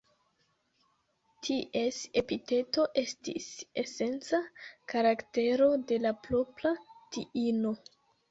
Ties epiteto estis esenca karaktero de la propra diino.